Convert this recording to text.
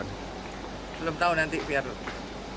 belum tahu nanti biar lebih